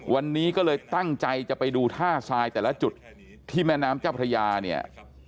วันนี้ก็เลยตั้งใจจะไปดูท่าทรายแต่ละจุดที่แม่น้ำเจ้าพระยาเนี่ย